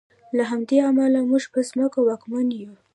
له همدې امله موږ پر ځمکه واکمن یو.